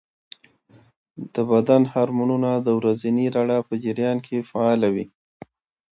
د بدن هارمونونه د ورځني رڼا په جریان کې فعاله وي.